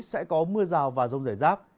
sẽ có mưa rào và rông rải rác